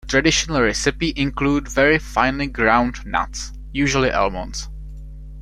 Traditional recipes include very finely ground nuts, usually almonds.